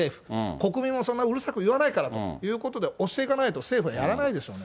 国民もそんなうるさく言わないからと、押していかないと政府はやらないでしょうね。